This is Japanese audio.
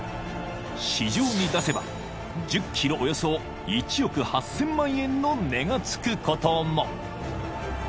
［市場に出せば１０ｋｇおよそ１億８，０００万円の値が付くことも］